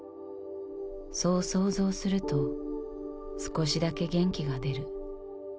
そう想像すると少しだけ元気が出る。